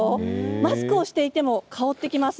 マスクをしていても香ってきます。